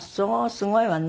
すごいわね。